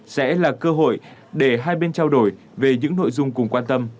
sẽ là cơ hội để hai bên trao đổi về những nội dung cùng quan tâm